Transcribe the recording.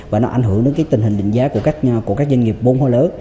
và nó ảnh hưởng đến tình hình định giá của các doanh nghiệp bốn khối lớn